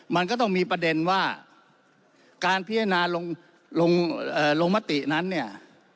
มันก็ต้องมีประเด็นว่าการพิจารณาลงมตินั้นเนี่ย